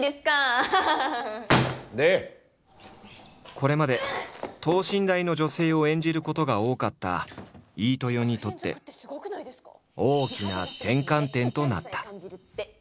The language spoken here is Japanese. これまで等身大の女性を演じることが多かった飯豊にとって大きな転換点となった。